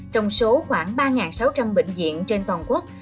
trong số khoảng ba sáu trăm linh bệnh viện trên toàn quốc